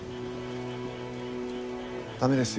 駄目ですよ